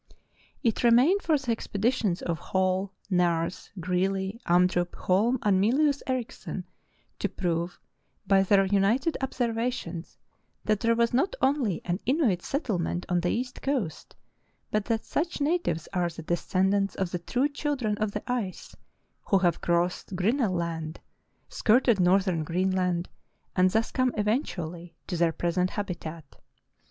It remained for the expeditions of Hall, Nares, Greely, Amdrup, Holm, and Mylius Erichsen to prove by their united observations that there was not only an Inuit settlement on the east coast, but that such The Inuit Survivors of the Stone Age 337 natives are the descendants of the true Children of the Ice, who have crossed Grinnell Land, skirted northern Greenland, and thus come eventually to their present habitat.